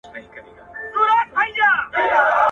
کمپيوټر فايل بندوي.